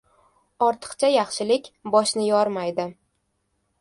• Ortiqcha yaxshilik boshni yormaydi.